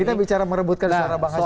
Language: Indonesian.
kita bicara merebutkan secara bahasa jawa